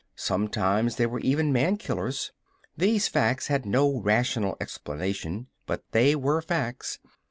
Sometimes they were even man killers. These facts had no rational explanation, but they were facts.